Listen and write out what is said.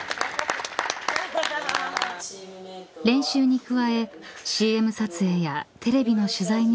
［練習に加えＣＭ撮影やテレビの取材に追われる日々］